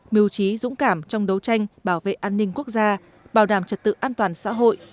mưu trí dũng cảm trong đấu tranh bảo vệ an ninh quốc gia bảo đảm trật tự an toàn xã hội